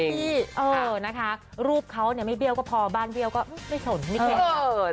พี่เออนะคะรูปเขาเนี่ยไม่เบี้ยวก็พอบ้านเบี้ยวก็ไม่สนไม่แข็ง